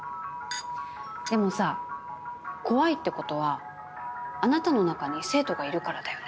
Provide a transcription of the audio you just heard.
でもさ怖いってことはあなたの中に生徒がいるからだよね？